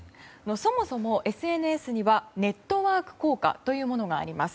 そもそも、ＳＮＳにはネットワーク効果というものがあります。